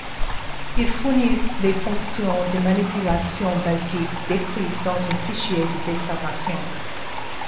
Il fournit les fonctions de manipulations basiques décrites dans un fichier de déclaration.